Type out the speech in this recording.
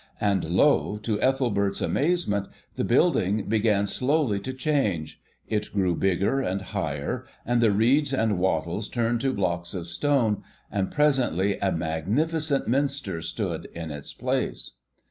And lo! to Ethelbert's amazement, the building began slowly to change; it grew bigger and higher, and the reeds and wattles turned to blocks of stone, and presently a magnificent Minster stood in its place.